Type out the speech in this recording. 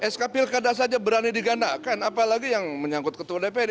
sk pilkada saja berani digandakan apalagi yang menyangkut ketua dpd